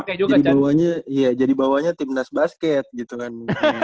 mungkin jadi bawahnya timnas basket gitu kan